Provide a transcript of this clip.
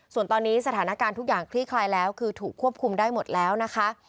ส่วนตอนนี้สถานการณ์ทุกอย่างคลี่คลายแล้วคือถูกควบคุมได้หมดแล้วนะคะ